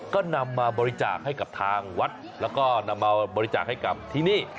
ก็นำมาบริจาคให้กับทางวัดแล้วก็นำมาบริจาคให้กับที่นี่